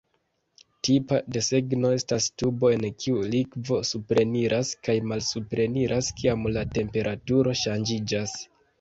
Tipa desegno estas tubo en kiu likvo supreniras kaj malsupreniras kiam la temperaturo ŝanĝiĝas.